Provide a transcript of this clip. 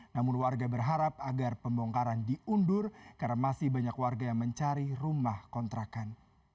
namun warga berharap agar pembongkaran diundur karena masih banyak warga yang mencari rumah kontrakan